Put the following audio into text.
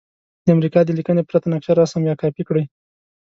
د امریکا د لیکنې پرته نقشه رسم یا کاپې کړئ.